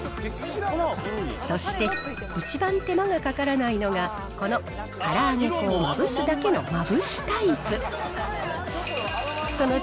そして、一番手間がかからないのが、このから揚げ粉をまぶすだけのまぶしタイプ。